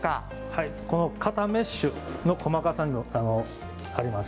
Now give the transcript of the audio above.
はい、この型メッシュの細かさに、あります。